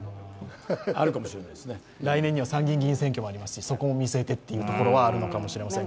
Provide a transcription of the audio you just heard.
来年には参議院選挙もありますし、そこを見据えてというところがあるかもしれません。